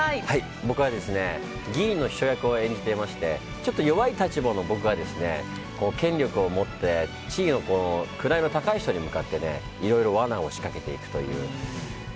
僕は議員の秘書役を演じていましてちょっと弱い立場の僕が権力を持って地位の高い人に向かって罠を仕掛けていくという。